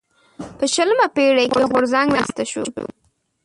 په شلمه پېړۍ کې غورځنګ رامنځته شول.